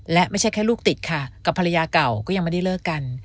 และไม่ใช่แค่ลูกติดค่ะกับภรรยาเก่าก็ยังไม่ได้เลิกกัน